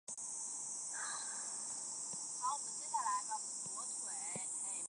戴图理的父亲戴达利亦为意大利多届冠军骑师。